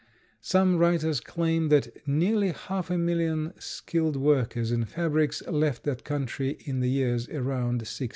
Some writers claim that nearly half a million skilled workers in fabrics left that country in the years around 1688.